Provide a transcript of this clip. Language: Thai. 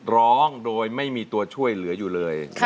ร้องโดยไม่มีตัวช่วยเหลืออยู่เลย